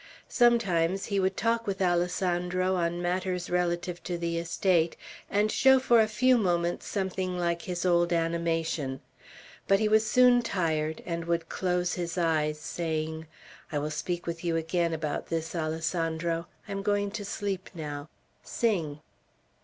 Sometimes he would talk with Alessandro on matters relative to the estate, and show for a few moments something like his old animation; but he was soon tired, and would close his eyes, saying: "I will speak with you again about this, Alessandro; I am going to sleep now. Sing."